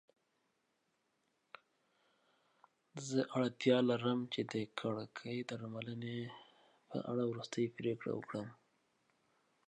زه اړتیا لرم چې د کړکۍ درملنې په اړه وروستۍ پریکړه وکړم.